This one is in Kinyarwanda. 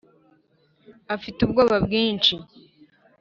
afite ubwoba bwinshi.